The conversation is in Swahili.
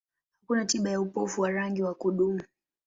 Hakuna tiba ya upofu wa rangi wa kudumu.